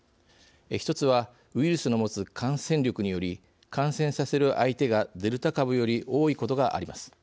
１つはウイルスの持つ感染力により、感染させる相手がデルタ株より多いことがあります。